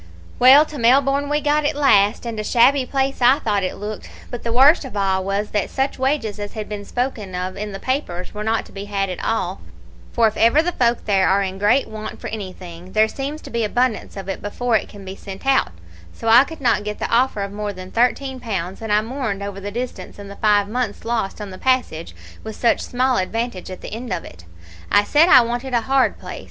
"Well, to Melbourne we got at last, and a shabby place I thought it looked; but the worst of all was, that such wages as had been spoken of in the papers were not to be had at all, for if ever the folk there are in great want of anything, there seems to be abundance of it before it can be sent out; so I could not get the offer of more than thirteen pounds, and I mourned over the distance, and the five months lost on the passage, with such small advantage at the end of it. I said I wanted a hard place.